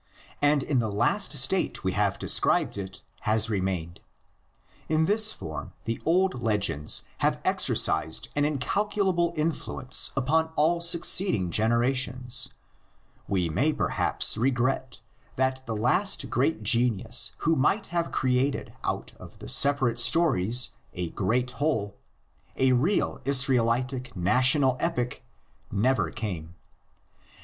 And in the last state we have described it has remained. In this form the old legends have exercised an incalculable influence upon all succeeding generations. We may perhaps regret that the last great genius who might have created out of the separate stories a great whole, a real "Israelitic national epic," never came.